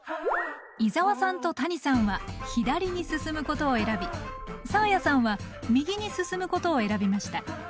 伊沢さんと谷さんは左に進むことを選びサーヤさんは右に進むことを選びました。